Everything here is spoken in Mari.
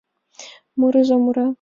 Мурызо мура.